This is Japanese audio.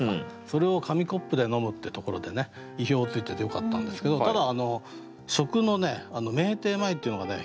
それを紙コップで飲むってところで意表をついててよかったんですけどただ初句の「酩酊前」っていうのがね